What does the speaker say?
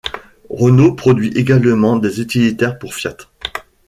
Renault produit également des utlitaires pour Fiat.